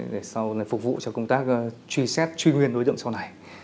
để phục vụ cho công tác truy xét truy nguyên đối tượng sau này